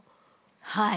はい。